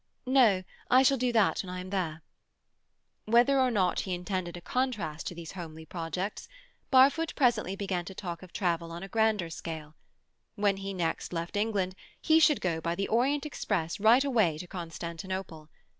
"No. I shall do that when I am there." Whether or not he intended a contrast to these homely projects, Barfoot presently began to talk of travel on a grander scale. When he next left England, he should go by the Orient Express right away to Constantinople.